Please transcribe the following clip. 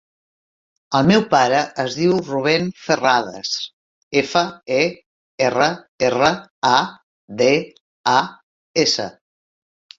El meu pare es diu Rubèn Ferradas: efa, e, erra, erra, a, de, a, essa.